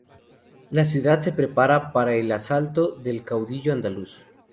La ciudad se prepara para el asalto del caudillo andaluz.